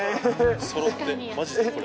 そろって、まじで、これ。